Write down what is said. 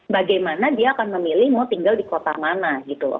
bagaimana dia akan memilih mau tinggal di kota mana gitu loh